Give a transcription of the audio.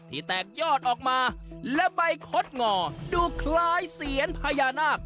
แตกยอดออกมาและใบคดงอดูคล้ายเสียนพญานาค